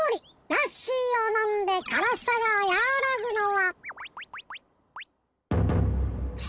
ラッシーをのんで辛さがやわらぐのはひえー。